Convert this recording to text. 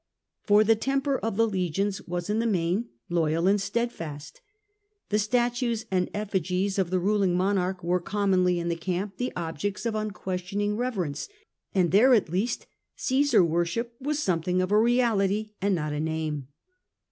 For the temper of the legions was in the main loyal and steadfast. The statues and effigies of the ruling monarch ^dsteadfast, were commonly in the camp the objects of unquestioning reverence, and there at least to their Caesar worship was something of a reality *^*"^*' and not a name.